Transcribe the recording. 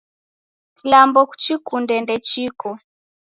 Kilambo kuchikunde ndechiko